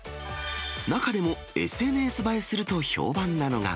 中でもＳＮＳ映えすると評判なのが。